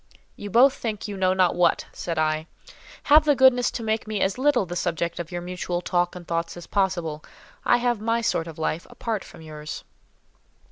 "You both think you know not what," said I. "Have the goodness to make me as little the subject of your mutual talk and thoughts as possible. I have my sort of life apart from yours."